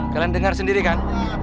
kalian dengar sendiri kan